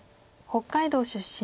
北海道出身。